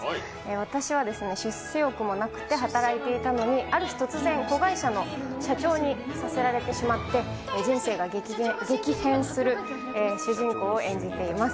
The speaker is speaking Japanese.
私は出世欲もなくて働いていたのに、ある日突然、子会社の社長にさせられてしまって、人生が激変する主人公を演じています。